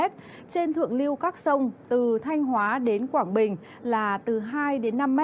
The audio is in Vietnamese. trên thượng lưu các sông từ thanh hóa đến quảng bình là từ hai đến năm m